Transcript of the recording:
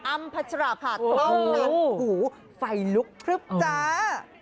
อัมภัชราภาษณ์ต้องการผู้ไฟลุกครึบจ้า